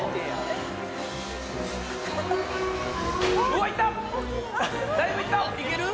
わっいった！